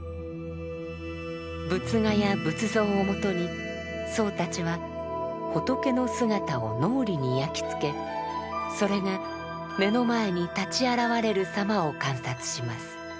仏画や仏像をもとに僧たちは仏の姿を脳裏に焼き付けそれが目の前に立ち現れるさまを観察します。